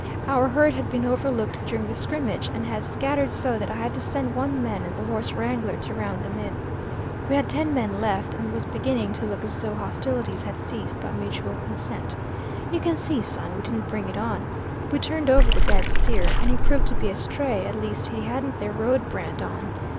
Our herd had been overlooked during the scrimmage, and had scattered so that I had to send one man and the horse wrangler to round them in. We had ten men left, and it was beginning to look as though hostilities had ceased by mutual consent. You can see, son, we didn't bring it on. We turned over the dead steer, and he proved to be a stray; at least he hadn't their road brand on.